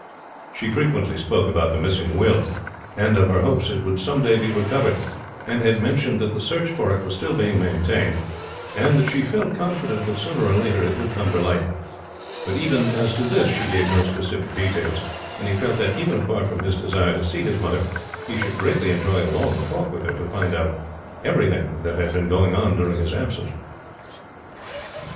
She frequently spoke about the missing will, and of her hopes it would some day be recovered; and had mentioned that the search for it was still being maintained, and that she felt confident that sooner or later it would come to light. But even as to this she gave him no specific details; and he felt that, even apart from his desire to see his mother, he should greatly enjoy a long talk with her, to find out about everything that had been going on during his absence.